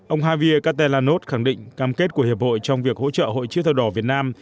ông havir katelanov khẳng định cam kết của hiệp hội trong việc hỗ trợ hội chữ thập đỏ việt nam